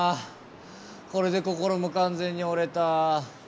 これで心も完全に折れた。